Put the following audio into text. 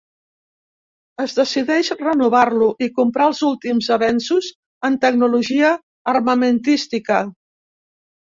Es decideix renovar-lo i comprar els últims avenços en tecnologia armamentística.